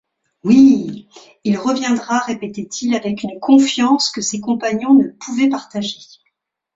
Oui, il reviendra répétait-il avec une confiance que ses compagnons ne pouvaient partager